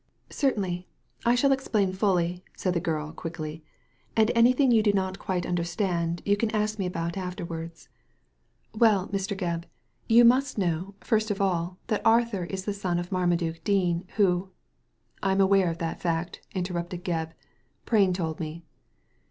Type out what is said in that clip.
"Certainly; I shall explain fully," said the girl, quickly, " and anything you do not quite understand you can ask me about afterwards. Well, Mr. Gebb, Digitized by Google 176 THE LADY FROM NOWHERE you must know, first of all, that Arthur is the son of Marmaduke Dean, who " "I am aware of that fact," interrupted Gebb. "Praintoldme."